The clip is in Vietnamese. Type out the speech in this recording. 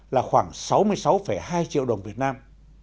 là khoảng sáu mươi sáu hai triệu đồng việt nam